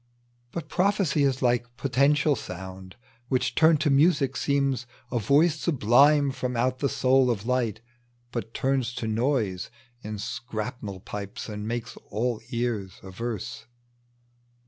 But prophecy is like potential sound Which turned to music seems a voice sublime From out the soul of light ; but turns to noise In scrannel pipes, and makes all ears averse.